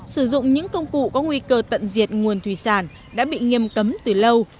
sử dụng những công cụ có nguy cơ tận diệt nguồn thủy sản đã bị nghiêm cấm từ lâu